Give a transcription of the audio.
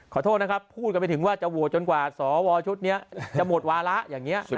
ขอโทษนะครับพูดกันไปถึงว่าจะโหวตจนกว่าสวชุดนี้จะหมดวาระอย่างนี้